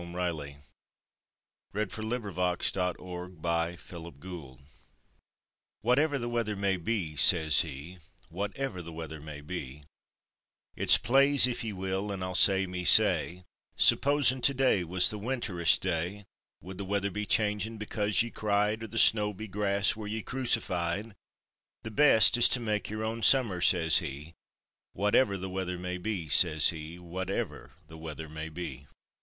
Says He "Whatever the weather may be," says he "Whatever the weather may be Its plaze, if ye will, an' I'll say me say Supposin' to day was the winterest day, Wud the weather be changing because ye cried, Or the snow be grass were ye crucified? The best is to make your own summer," says he, "Whatever the weather may be," says he "Whatever the weather may be!"